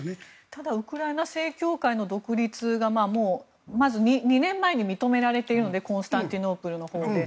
ただウクライナ正教会の独立がまず２年前に認められているのでコンスタンティノープルのほうで。